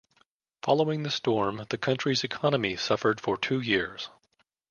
Following the storm, the country's economy suffered for two years.